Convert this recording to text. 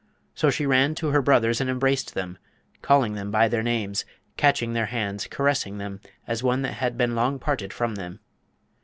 So she ran to her brothers and embraced them, calling them by their names, catching their hands, caressing them as one that had been long parted from them.